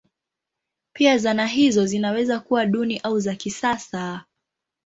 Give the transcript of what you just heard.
Pia zana hizo zinaweza kuwa duni au za kisasa.